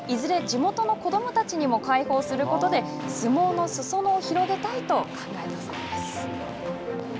地元の子どもたちにも開放することで相撲のすそ野を広げたいと考えたそうです。